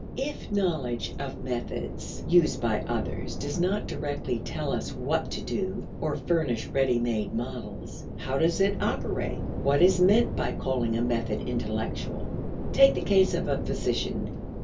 If knowledge of methods used by others does not directly tell us what to do, or furnish ready made models, how does it operate? What is meant by calling a method intellectual? Take the case of a physician.